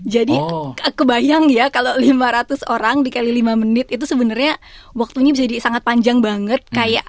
jadi kebayang ya kalau lima ratus orang dikali lima menit itu sebenarnya waktunya bisa jadi sangat panjang banget